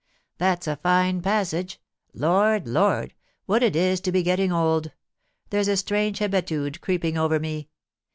* That^s a fine passage ! Lord, Lord !— what it is to be getting old! There's a strange hebetude creeping over me.